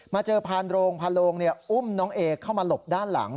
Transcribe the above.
เจอพานโรงพานโรงอุ้มน้องเอเข้ามาหลบด้านหลัง